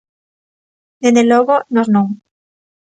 Dende logo, nós non.